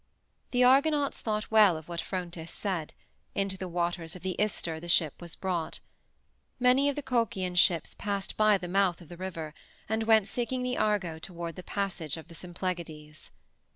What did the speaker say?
The Argonauts thought well of what Phrontis said; into the waters of the Ister the ship was brought. Many of the Colchian ships passed by the mouth of the river, and went seeking the Argo toward the passage of the Symplegades.